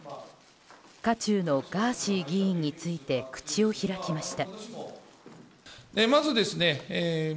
渦中のガーシー議員について口を開きました。